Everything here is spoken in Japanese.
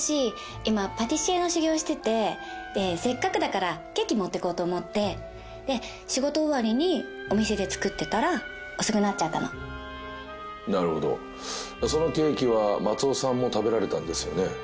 今パティシエの修業しててでせっかくだからケーキ持っていこうと思ってで仕事終わりにお店で作ってたら遅くなっちゃったのなるほどそのケーキは松尾さんも食べられたんですよね？